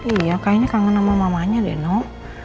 iya kayaknya kangen sama mamanya deh nok